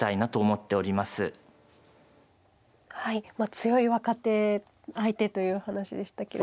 強い若手相手というお話でしたけど。